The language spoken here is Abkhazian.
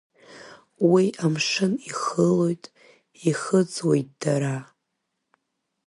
Уа амшын ихылоит, ихыҵуеит дара.